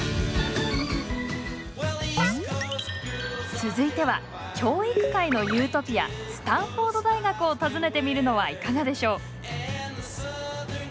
続いては教育界のユートピアスタンフォード大学を訪ねてみるのはいかがでしょう？